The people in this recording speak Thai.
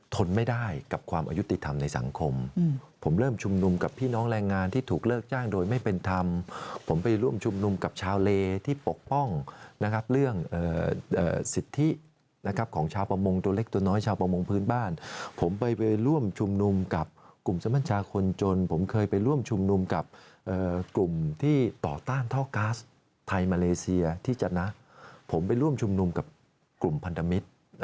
ทนไม่ได้กับความอายุติธรรมในสังคมผมเริ่มชุมนุมกับพี่น้องแรงงานที่ถูกเลิกจ้างโดยไม่เป็นธรรมผมไปร่วมชุมนุมกับชาวเลที่ปกป้องนะครับเรื่องสิทธินะครับของชาวประมงตัวเล็กตัวน้อยชาวประมงพื้นบ้านผมไปร่วมชุมนุมกับกลุ่มสมัญชาคนจนผมเคยไปร่วมชุมนุมกับกลุ่มที่ต่อต้านท่อก๊าซไทยมาเลเซียที่จะนะผมไปร่วมชุมนุมกับกลุ่มพันธมิตร